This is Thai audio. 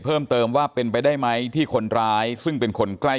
เพิ่มเติมว่าเป็นไปได้ไหมที่คนร้ายซึ่งเป็นคนใกล้